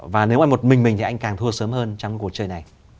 và nếu mà một mình mình thì anh càng thua sớm hơn trong cuộc chơi này